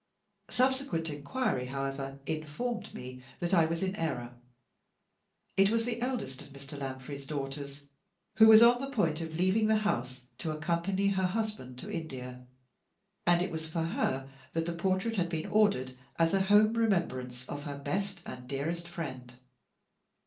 Subsequent inquiry, however, informed me that I was in error. It was the eldest of Mr. Lanfray's daughters, who was on the point of leaving the house to accompany her husband to India; and it was for her that the portrait had been ordered as a home remembrance of her best and dearest friend.